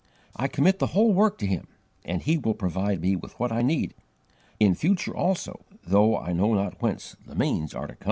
I commit the whole work to Him, and He will provide me with what I need, in future also, though I know not whence the means are to come.'"